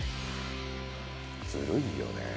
ずるいよね。